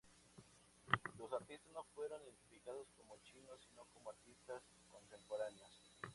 Los artistas no fueron identificados como chinos sino como artistas contemporáneos.